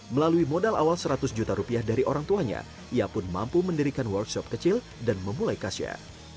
melalui modal awal seratus juta rupiah dari orang tuanya ia pun mampu mendirikan workshop kecil dan memulai kasya